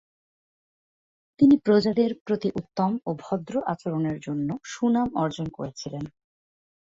তিনি প্রজাদের প্রতি উত্তম ও ভদ্র আচরণের জন্য সুনাম অর্জন করেছিলেন।